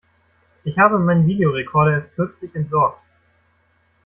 Ich habe meinen Videorecorder erst kürzlich entsorgt.